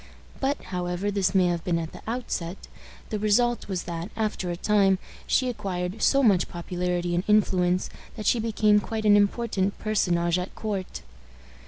But, however this may have been at the outset, the result was that, after a time, she acquired so much popularity and influence that she became quite an important personage at court.